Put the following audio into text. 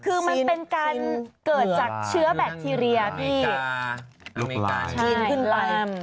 คือมันเป็นการเกิดจากเชื้อแบคทีเรียที่ลุกลามจีนขึ้นไป